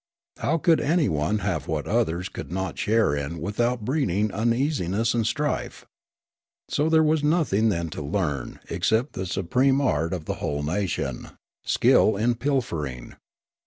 How could anyone have what others could not share in without breeding uneasiness and strife ? So there was nothing then to learn except the supreme art of the whole nation — skill in pilfering.